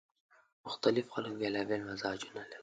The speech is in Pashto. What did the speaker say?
مختلف خلک بیلابېل مزاجونه لري